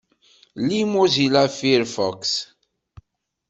Lli Mozilla Firefox.